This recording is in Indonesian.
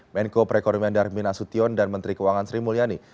menko perekonomian darmin nasution dan menteri keuangan sri mulyani